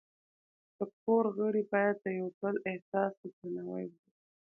د کور غړي باید د یو بل احساس ته درناوی ولري.